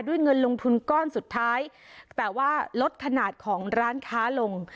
เงินลงทุนก้อนสุดท้ายแต่ว่าลดขนาดของร้านค้าลง